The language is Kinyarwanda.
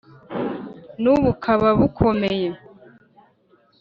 n'ubukaka bukomeye